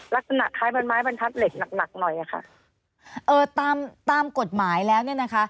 ลักษณะคล้ายเป็นไม้บรรทัดเหล็กหนักหนักหน่อยอะค่ะเอ่อตามตามกฎหมายแล้วเนี่ยนะคะ